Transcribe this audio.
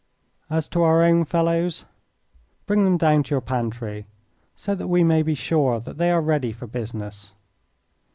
As to our own fellows, bring them down to your pantry so that we may be sure that they are ready for business.